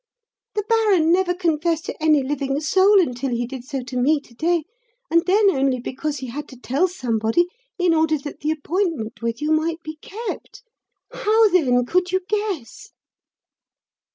The baron never confessed to any living soul until he did so to me, to day and then only because he had to tell somebody, in order that the appointment with you might be kept. How, then, could you guess?"